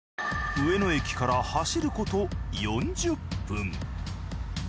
上野駅から走ること４０分。